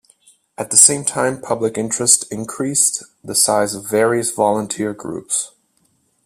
At the same time public interest increased the size of various volunteer groups.